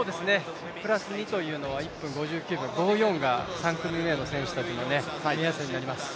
プラス２というのは１分５９秒５４が３組目の選手たちの目安になります